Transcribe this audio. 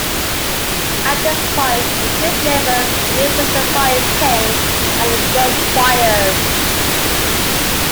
At this point the trip lever releases the firing pin and the gun fires.